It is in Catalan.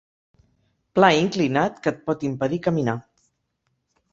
Pla inclinat que et pot impedir caminar.